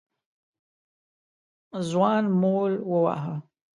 ځوان مول وواهه.